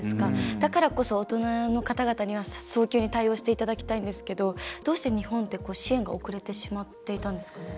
だからこそ大人の方々には早急に対応していただきたいんですがどうして日本って支援が遅れてしまっていたんですか？